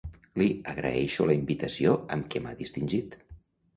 Li agraeixo la invitació amb què m'ha distingit.